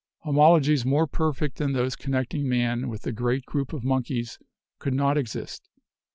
Homologies more per fect than those connecting man with the great group of monkeys could not exist.